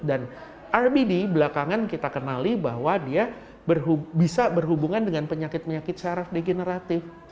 dan rbd belakangan kita kenali bahwa dia bisa berhubungan dengan penyakit penyakit secara degeneratif